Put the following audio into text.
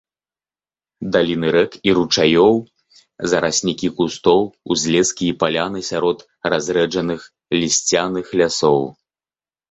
Даліны рэк і ручаёў, зараснікі кустоў, узлескі і паляны сярод разрэджаных лісцяных лясоў.